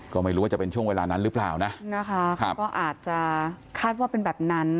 ก็ไม่รู้ว่าจะเป็นช่วงเวลานั้นหรือเปล่านะนะคะก็อาจจะคาดว่าเป็นแบบนั้น